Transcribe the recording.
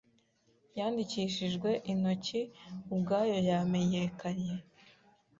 yandikishijwe intoki ubwayo yamenyekanye